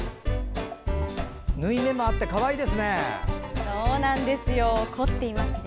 縫い目もあってかわいいですね。